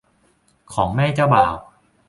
ของแม่เจ้าบ่าว